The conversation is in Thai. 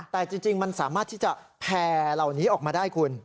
แต่จริงมันสามารถที่จะแผ่เหล่านี้ออกมาได้คุณ